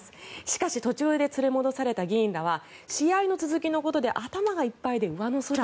しかし途中で連れ戻された議員らは試合の続きのことで頭がいっぱいで上の空。